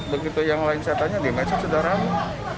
begitu yang lain saya tanya di medsos sudah rame